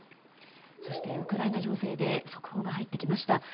そして、ウクライナ情勢で速報が入ってきました。